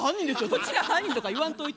こっちが犯人とか言わんといてやな。